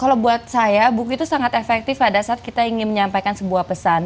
kalau buat saya buku itu sangat efektif pada saat kita ingin menyampaikan sebuah pesan